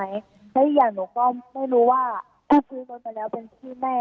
อีกอย่างหนูก็ไม่รู้ว่าคือหนูมาแล้วเป็นพี่แม่